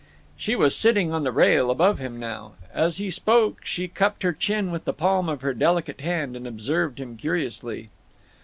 She was sitting on the rail above him now. As he spoke she cupped her chin with the palm of her delicate hand and observed him curiously.